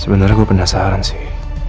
sebenernya gue penasaran sih